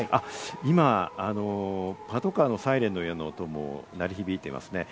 今、パトカーのサイレンのような音、鳴り響いていますね。